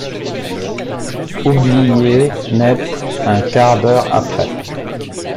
Oublié net un quart d’heure après.